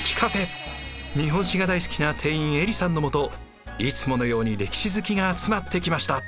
日本史が大好きな店員えりさんのもといつものように歴史好きが集まってきました。